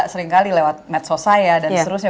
seringkali lewat medsos saya dan seterusnya